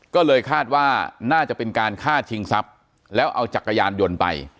ก็เลยคาดว่าน่าจะเป็นการฆ่าชิงทรัพย์แล้วเอาจักรยานยนต์ไป